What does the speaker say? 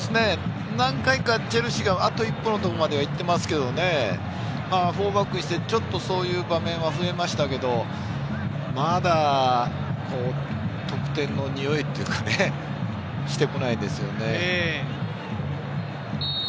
何回かチェルシーがあと一歩のところまで行ってますけど、４バックにしてそういう場面は増えましたけど、まだ得点のにおいというか、してこないですよね。